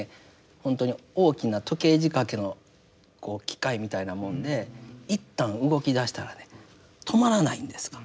ほんとに大きな時計仕掛けの機械みたいなもんで一旦動きだしたらね止まらないんですから。